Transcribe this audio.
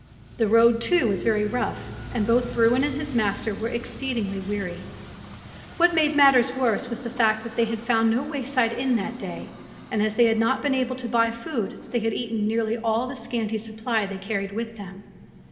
The road, too, was very rough, and both Bruin and his master were exceedingly 15 Fairy Tale Bears weary. What made matters worse was the fact that they had found no wayside inn that day, and as they had not been able to buy food they had eaten nearly all the scanty supply they carried with them.